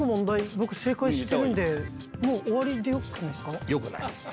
僕正解してるんで終わりでよくないですか？